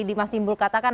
di mas timbul katakan